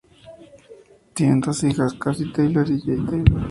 Tienen dos hijas, Cassie Taylor y Jae Taylor.